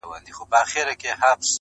شاعره خداى دي زما ملگرى كه.